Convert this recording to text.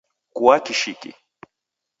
Kua kishiki